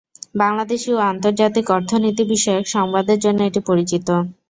বাংলাদেশী ও আন্তর্জাতিক অর্থনীতি বিষয়ক সংবাদের জন্যে এটি পরিচিত।